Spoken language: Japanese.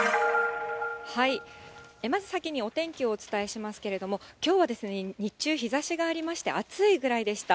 まず先に、お天気をお伝えしますけれども、きょうは日中、日ざしがありまして暑いぐらいでした。